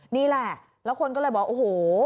นี่แหละแล้วคนก็เลยบอกโอ้โห